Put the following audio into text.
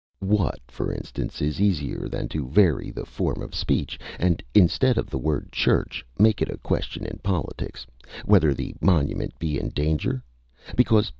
What, for instance, is easier than to vary the form of speech, and instead of the word church, make it a question in politics, whether the monument be in danger?